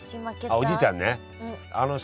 あっおじいちゃんね。